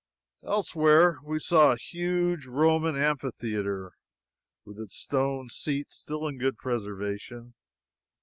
Elsewhere we saw a huge Roman amphitheatre, with its stone seats still in good preservation.